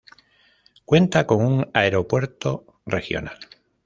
Cuenta con un aeropuerto regional.